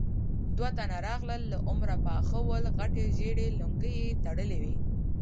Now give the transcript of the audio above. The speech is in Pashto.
دوه تنه راغلل، له عمره پاخه ول، غټې ژېړې لونګۍ يې تړلې وې.